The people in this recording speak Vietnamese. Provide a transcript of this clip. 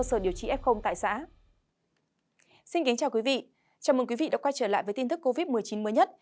xin kính chào quý vị chào mừng quý vị đã quay trở lại với tin tức covid một mươi chín mới nhất